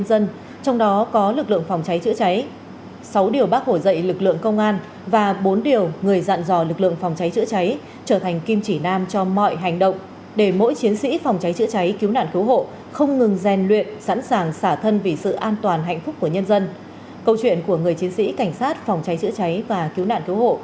câu chuyện của người chiến sĩ cảnh sát phòng cháy chữa cháy và cứu nạn cứu hộ